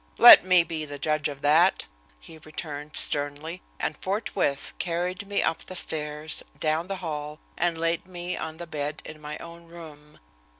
"Let me be the judge of that," he returned sternly, and forthwith carried me up the stairs, down the hall, and laid me on the bed in my own room.